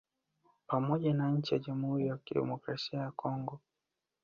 Pamoja na nchi ya Jamhuri ya Kidemokrasia ya Congo